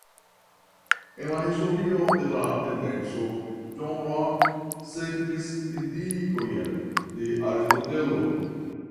En la historio de la tendenco John Locke sekvis indikojn de Aristotelo.